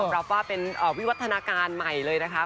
รับว่าเป็นวิวัฒนาการใหม่เลยนะคะ